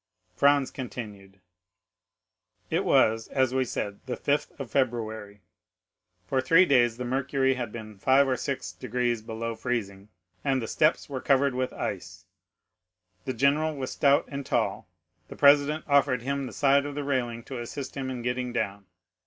Franz continued: "'It was, as we said, the fifth of February. For three days the mercury had been five or six degrees below freezing and the steps were covered with ice. The general was stout and tall, the president offered him the side of the railing to assist him in getting down.